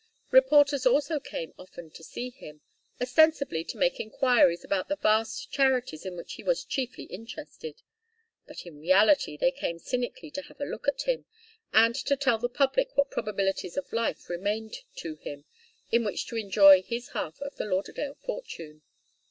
Reporters also came often to see him, ostensibly to make enquiries about the vast charities in which he was chiefly interested; but in reality they came cynically to have a look at him, and to tell the public what probabilities of life remained to him in which to enjoy his half of the Lauderdale fortune.